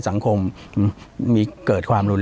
ปากกับภาคภูมิ